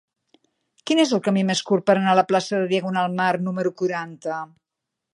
Quin és el camí més curt per anar a la plaça de Diagonal Mar número quaranta?